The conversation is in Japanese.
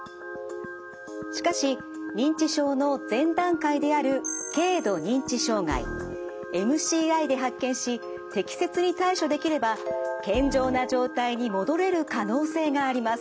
しかし認知症の前段階である軽度認知障害ＭＣＩで発見し適切に対処できれば健常な状態に戻れる可能性があります。